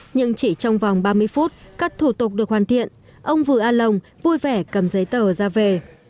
nhưng chỉ trong vòng ba mươi phút các thủ tục được hoàn thiện ông vừa a lồng vui vẻ cầm giấy tờ ra về